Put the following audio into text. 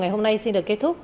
ngày hôm nay xin được kết thúc